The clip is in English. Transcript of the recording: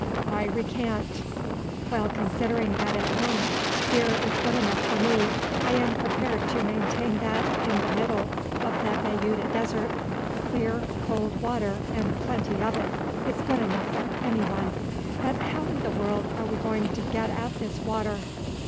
I recant. While considering that at home beer is good enough for me, I am prepared to maintain that, in the middle of the Bayuda Desert, clear cold water and plenty of it is good enough for anyone. But how in the world are we going to get at this water?